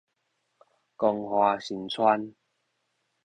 光華新村